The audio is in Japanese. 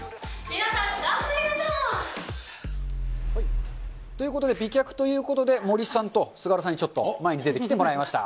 皆さん、頑張りましょう。ということで、美脚ということで、森さんと菅原さんにちょっと前に出てきてもらいました。